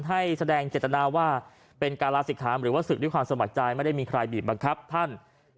ให้แสดงเจตนาว่าเป็นการลาศิกขามหรือว่าศึกด้วยความสมัครใจไม่ได้มีใครบีบบังคับท่าน